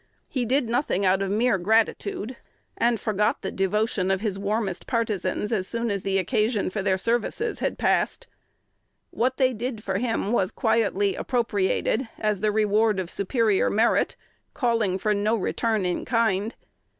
He did nothing out of mere gratitude, and forgot the devotion of his warmest partisans as soon as the occasion for their services had passed. What they did for him was quietly appropriated as the reward of superior merit, calling for no return in kind.